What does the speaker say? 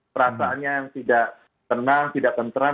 perasaannya yang tidak tenang tidak tenteram